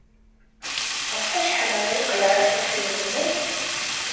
Ɣef wacḥal ara yeqleɛ usafag-nwen?